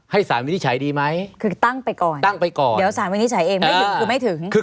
ให้ศาลวินิจฉัยดีไหมคือตั้งไปก่อนเดี๋ยวศาลวินิจฉัยเองไม่ถึง